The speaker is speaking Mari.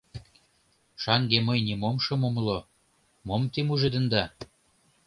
— Шаҥге мый нимом шым умыло, мом те мужедында.